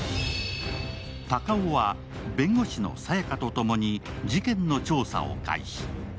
隆生は弁護士の沙耶香とともに事件の調査を開始。